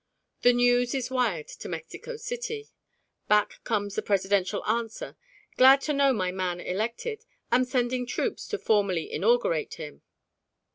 The news is wired to Mexico City. Back comes the presidential answer: "Glad to know my man elected: am sending troops to formally inaugurate him."